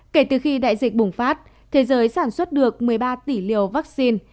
kể từ khi đại dịch bùng phát thế giới sản xuất được một mươi ba tỷ liều vaccine